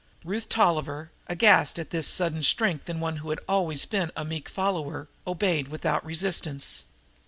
Ruth Tolliver, aghast at this sudden strength in one who had always been a meek follower, obeyed without resistance.